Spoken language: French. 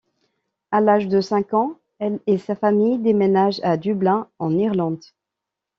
À l'âge de cinq ans, elle est sa famille déménage à Dublin en Irlande.